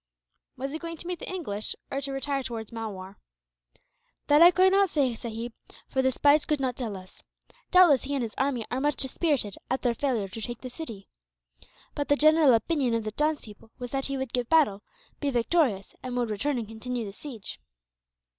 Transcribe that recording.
"Was he going to meet the English, or to retire towards Malwar?" "That I cannot say, sahib, for the spies could not tell us. Doubtless he and his army are much dispirited, at their failure to take the city. But the general opinion of the townspeople was that he would give battle, be victorious, and would return and continue the siege."